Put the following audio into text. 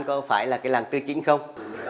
có phải là cái làng tư chính không